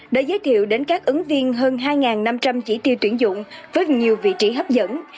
đã giới thiệu đến các ứng viên hơn hai năm trăm linh chỉ tiêu tuyển dụng với nhiều vị trí hấp dẫn